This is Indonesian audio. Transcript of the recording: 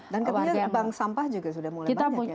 dan kemudian bank sampah juga sudah mulai banyak ya di surabaya